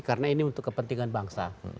karena ini untuk kepentingan bangsa